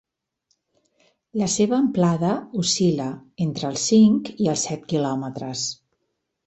La seva amplada oscil·la entre els cinc i els set quilòmetres.